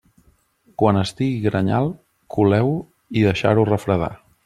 Quan estigui grenyal, coleu-ho i deixar-ho refredar.